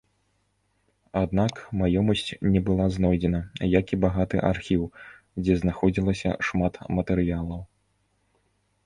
Аднак, маёмасць не была знойдзена, як і багаты архіў, дзе знаходзілася шмат матэрыялаў.